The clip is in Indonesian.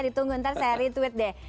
ditunggu ntar saya retweet deh